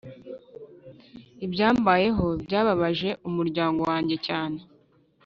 Ibyambayeho byababaje umuryango wanjye cyane